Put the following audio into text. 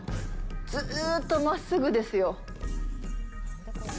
ずっとまっすぐですよ。